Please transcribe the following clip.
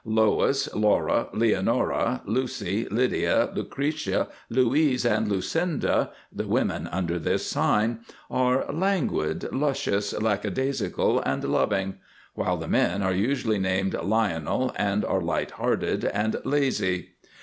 Lois, Laura, Leonora, Lucy, Lydia, Lucretia, Louise, and Lucinda, the women under this sign, are Languid, Luscious, Lackadaisical, and Loving; while the men are usually named Lionel and are Light hearted, and Lazy.